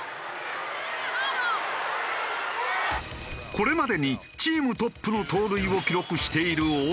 これまでにチームトップの盗塁を記録している大谷。